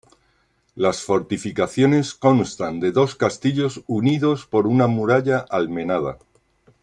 Las fortificaciones constan de dos castillos unidos por una muralla almenada.